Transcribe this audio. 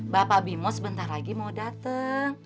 bapak bimo sebentar lagi mau datang